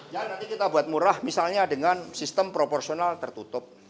ya nanti kita buat murah misalnya dengan sistem proporsional tertutup